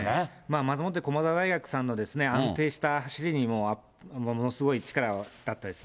まずもって駒澤大学さんの安定した走りにものすごい力だったですね。